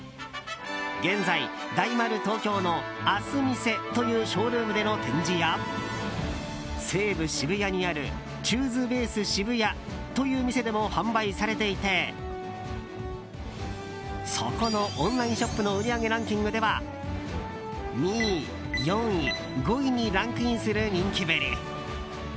現在、大丸東京の明日見世というショールームでの展示や西武渋谷にあるＣＨＯＯＳＥＢＡＳＥＳＨＩＢＵＹＡという店でも販売されていてそこのオンラインショップの売り上げランキングでは２位、４位、５位にランクインする人気ぶり。